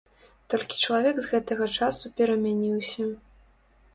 Толькі чалавек з гэтага часу перамяніўся.